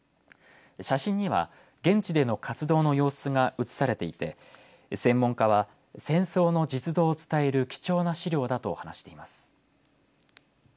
写真には、現地での活動の様子が写されていて専門家は、戦争の事実を伝える貴重な資料だと話しています。